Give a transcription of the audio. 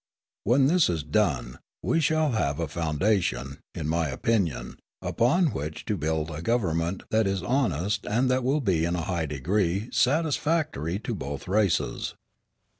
When this is done, we shall have a foundation, in my opinion, upon which to build a government that is honest and that will be in a high degree satisfactory to both races.